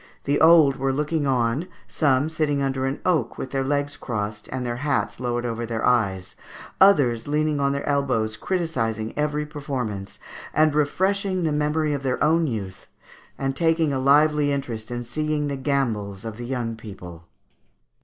The old were looking on, some sitting under an oak, with their legs crossed, and their hats lowered over their eyes, others leaning on their elbows criticizing every performance, and refreshing the memory of their own youth, and taking a lively interest in seeing the gambols of the young people."